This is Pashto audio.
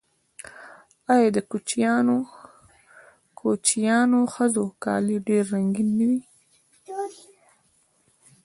آیا د کوچیانیو ښځو کالي ډیر رنګین نه وي؟